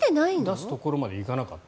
出すところまでいかなかった。